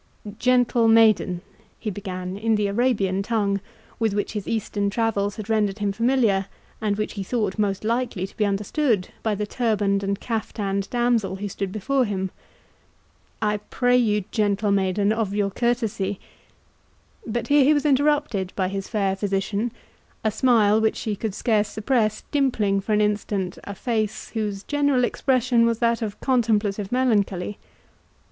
—"Gentle maiden," he began in the Arabian tongue, with which his Eastern travels had rendered him familiar, and which he thought most likely to be understood by the turban'd and caftan'd damsel who stood before him—"I pray you, gentle maiden, of your courtesy— " But here he was interrupted by his fair physician, a smile which she could scarce suppress dimpling for an instant a face, whose general expression was that of contemplative melancholy.